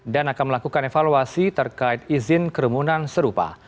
dan akan melakukan evaluasi terkait izin keremunan serupa